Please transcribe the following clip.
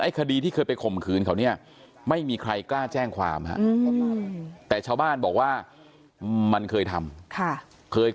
คดีที่เคยไปข่มขืนเขาเนี่ยไม่มีใครกล้าแจ้งความแต่ชาวบ้านบอกว่ามันเคยทำเคย